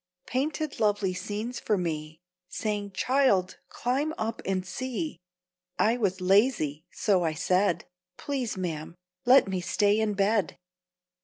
Painted lovely scenes for me, Saying, "Child, climb up and see." I was lazy, so I said, "Please, ma'am, let me stay in bed."